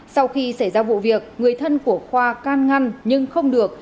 sau khi xảy ra vụ việc người thân của khoa can ngăn nhưng không được